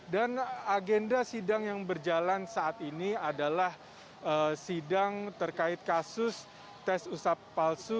dan agenda sidang yang berjalan saat ini adalah sidang terkait kasus tes usap palsu